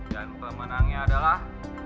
dan pemenangnya adalah